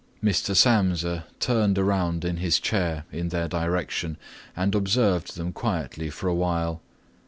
Mr. Samsa turned around in his chair in their direction and observed them quietly for a while.